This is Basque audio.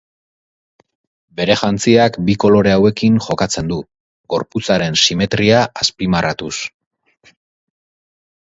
Bere jantziak bi kolore hauekin jokatzen du, gorputzaren simetria azpimarratuz.